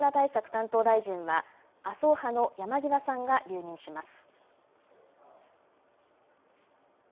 担当大臣は麻生派の山際さんが留任します。